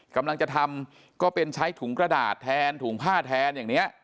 กำลังจะทำก็เป็นใช้ถุงกระดาษแทนถุงผ้าแทนอย่างนี้